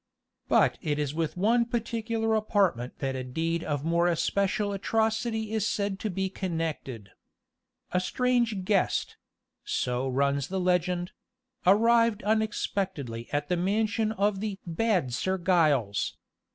But it is with one particular apartment that a deed of more especial atrocity is said to be connected. A stranger guest so runs the legend arrived unexpectedly at the mansion of the "Bad Sir Giles."